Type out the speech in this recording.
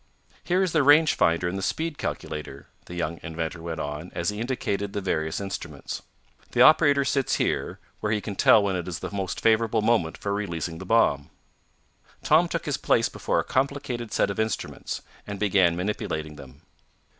"Here is the range finder and the speed calculator," the young inventor went on as he indicated the various instruments. "The operator sits here, where he can tell when is the most favorable moment for releasing the bomb." Tom took his place before a complicated set of instruments, and began manipulating them.